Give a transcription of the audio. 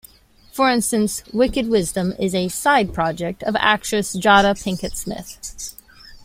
For instance, Wicked Wisdom is a "side project" of actress Jada Pinkett Smith.